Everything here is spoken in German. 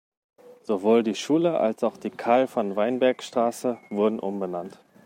Sowohl die Schule als auch die Carl-von-Weinberg-Straße wurden umbenannt.